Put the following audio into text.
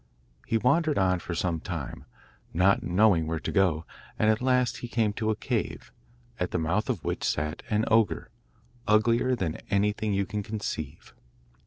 He wandered on for some time, not knowing where to go, and at last he came to a cave, at the mouth of which sat an ogre, uglier than anything you can conceive.